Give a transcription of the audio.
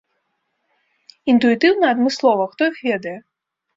Інтуітыўна, адмыслова, хто іх ведае.